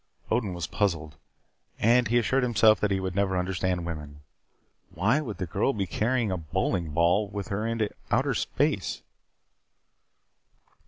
Odin was puzzled. And he assured himself that he would never understand women. Why would the girl be carrying a bowling ball with her into outer space?